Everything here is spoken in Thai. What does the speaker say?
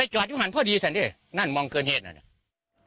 แต่กว่าที่หวังพ่อดีฉันเนี่ยนั่นมองเกินเหตุน่ะเนี่ย